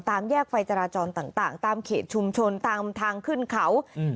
แยกไฟจราจรต่างต่างตามเขตชุมชนตามทางขึ้นเขาอืม